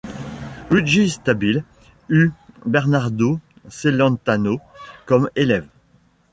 Luigi Stabile eut Bernardo Celentano comme élève.